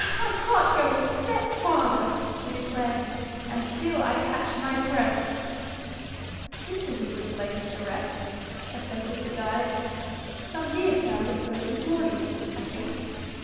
"I can't go a step farther," she declared, "until I catch my breath." "This is a good place to rest," assented the guide. "Some deer found it so this morning, I think.